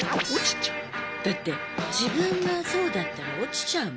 だって自分がそうだったら落ちちゃうもん。